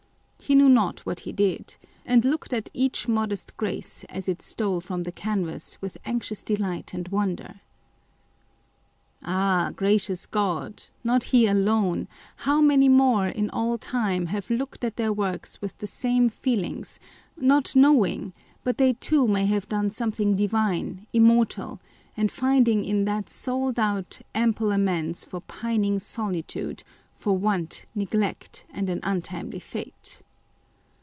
He knew not what he did ; and looked at each modest grace as it stole from the canvas with anxious delight and wonder. Ah ! gracious God ! not he alone ; how many more in all time have looked at their works with the same feelings, not knowing but they too may have done some thing divine, immortal, and finding in that sole doubt ample amends for pining solitude, for want, neglect, and an untimely fate.